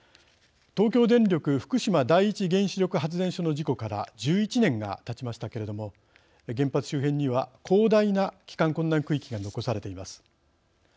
東京電力福島第一原子力発電所の事故から１１年がたちましたけれども原発の周辺には広大な帰還困難区域が残されています。